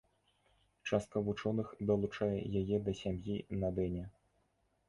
Частка вучоных далучае яе да сям'і на-дэне.